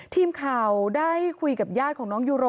ทีมข่าวได้คุยกับญาติของน้องยูโร